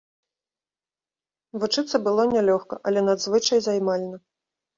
Вучыцца было нялёгка, але надзвычай займальна.